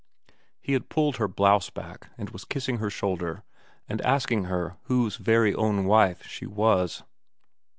He had pulled her blouse back, and was kissing her shoulder and asking her whose very own wife she was.